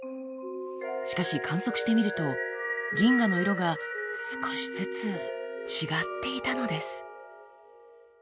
しかし観測してみると銀河の色が少しずつ違っていたのです。